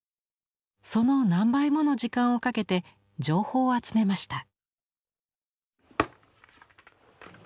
その何倍もの時間をかけて情報を集めました。